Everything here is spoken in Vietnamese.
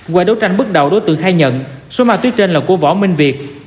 qua đấu tranh bước đầu đối tượng khai nhận số ma túy trên là của võ minh việt